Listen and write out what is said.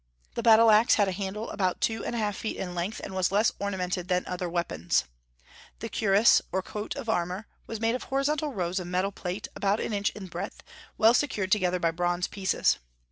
The battle axe had a handle about two and a half feet in length, and was less ornamented than other weapons. The cuirass, or coat of armor, was made of horizontal rows of metal plate, about an inch in breadth, well secured together by bronze pieces.